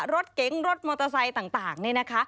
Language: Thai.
รถเก๋งรถมอเตอร์ไซค์ต่างนี่นะคะ